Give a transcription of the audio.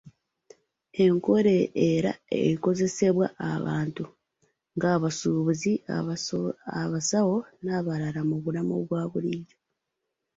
Enkola era ekozesebwa abantu ng’abasuubuzi, abasawo n’abalala mu bulamu obwa bulijjo.